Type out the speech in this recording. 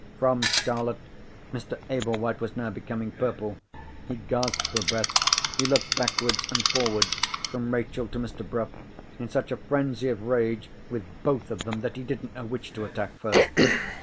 From scarlet, Mr. Ablewhite was now becoming purple. He gasped for breath; he looked backwards and forwards from Rachel to Mr. Bruff in such a frenzy of rage with both of them that he didn't know which to attack first.